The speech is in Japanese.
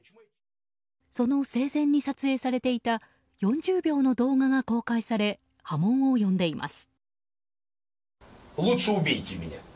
その生前に撮影されていた４０秒の動画が公開され波紋を呼んでいます。